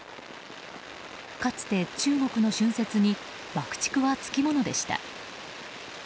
かつて中国の春節に爆竹はつきものでした。